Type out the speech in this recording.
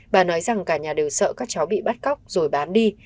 bà nói rằng cả nhà đều sợ các cháu bị bắt cóc rồi bán đi